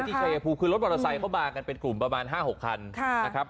ที่เทศุราปุ่ยรถมอสตร์ไซด์เป็นกลุ่มประมาณ๕๖คันนะครับ